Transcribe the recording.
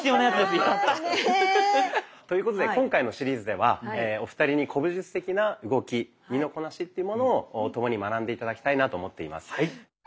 やった！ということで今回のシリーズではお二人に古武術的な動き身のこなしというものを共に学んで頂きたいなと思っています。